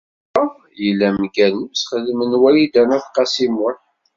Yuba yella mgal n usexdem n Wrida n At Qasi Muḥ.